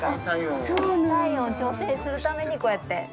体温を調整するために、こうやって。